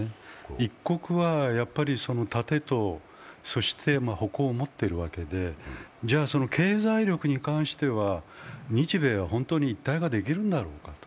一国は盾と矛を持っているわけでじゃあ、経済力に関しては日米は本当に一体ができるんだろうかと。